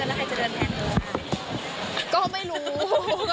อัปเดตแล้วใครจะเดินแดดกันว่าค่ะ